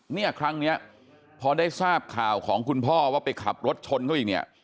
เนี่ยครั้งนี้พอได้ทราบข่าวของคุณพ่อว่าไปขับรถชนเขาอีกเนี่ย